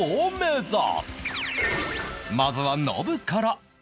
まずはノブから